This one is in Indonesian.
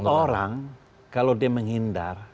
orang kalau dia menghindar